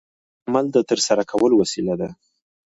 فعل د عمل د ترسره کولو وسیله ده.